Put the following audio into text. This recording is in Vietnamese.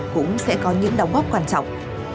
cũng sẽ có những đóng góp quan trọng